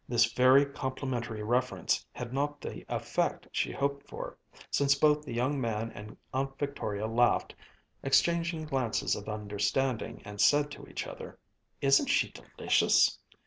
This very complimentary reference had not the effect she hoped for, since both the young man and Aunt Victoria laughed, exchanging glances of understanding, and said to each other, "Isn't she delicious?"